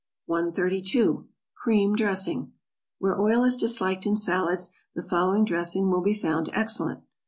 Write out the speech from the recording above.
132. =Cream Dressing.= Where oil is disliked in salads the following dressing will be found excellent.